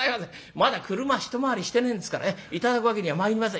まだ俥一回りしてねえんですから頂くわけにはまいりません」。